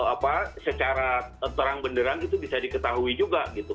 apa secara terang benderang itu bisa diketahui juga gitu